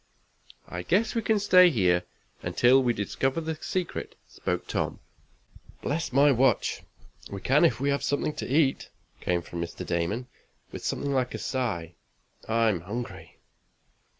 "I guess we can stay here until we discover the secret," spoke Tom. "Bless my watch! We can if we have something to eat," came from Mr. Damon, with something like a sigh. "I'm hungry!"